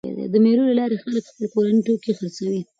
د مېلو له لاري خلک خپل کورني توکي خرڅوي.